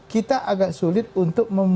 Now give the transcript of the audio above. kita agak sulit untuk